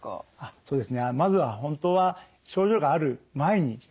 そうですね。